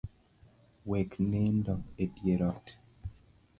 Wek nindo edier ot